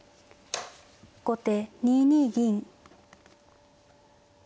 後手２二銀。